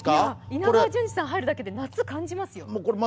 稲川淳二さんが入るだけで夏、感じますよ。